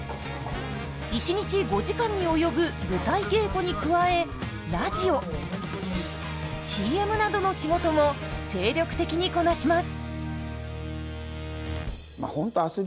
一日５時間に及ぶ舞台稽古に加えラジオＣＭなどの仕事も精力的にこなします。